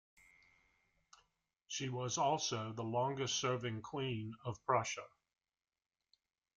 She was also the longest-serving queen of Prussia.